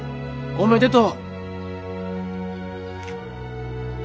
おめでとう！